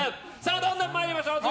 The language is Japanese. どんどん参りましょう。